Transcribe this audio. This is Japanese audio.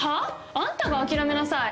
あんたが諦めなさい！